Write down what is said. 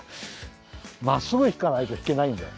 まっすぐひかないとひけないんだよ。